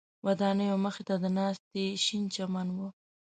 ودانیو مخ ته د ناستي شین چمن و.